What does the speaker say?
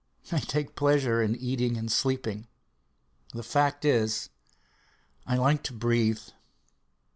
I take pleasure in eating and sleeping. The fact is, I like to breathe.